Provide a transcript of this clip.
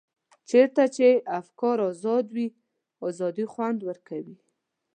چېرته چې افکار ازاد وي ازادي خوند ورکوي.